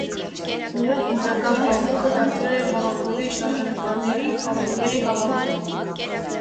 Նրա հիմնական զբաղմունքը դարձել էր հավաքովի շարժանկարների (փազլների) հավաքումը։